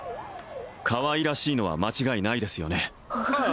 かわいらしいのは間違いないですよねああ